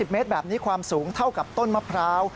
เมตรแบบนี้ความสูงเท่ากับต้นมะพร้าว